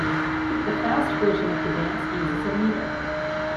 The fast version of the dance uses a meter.